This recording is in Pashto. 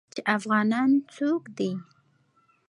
چې افغانان څوک دي.